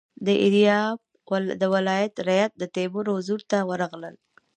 د ایریاب د ولایت رعیت د تیمور حضور ته ورغلل.